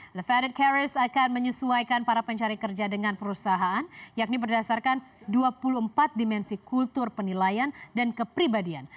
elevated carriers akan menyesuaikan para pencari kerja dengan perusahaan yakni berdasarkan dua puluh empat dimensi kultur penilaian dan kepribadian